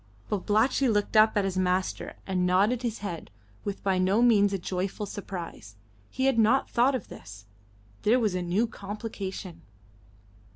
Babalatchi looked up at his master and nodded his head with by no means a joyful surprise. He had not thought of this; there was a new complication.